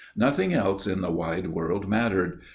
Nothing else in the wide world mattered.